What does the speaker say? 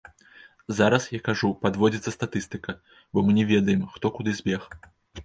Зараз, я кажу, падводзіцца статыстыка, бо мы не ведаем, хто куды збег.